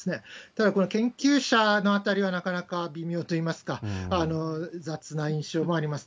ただ、これ、研究者のあたりはなかなか微妙といいますか、雑な印象もあります。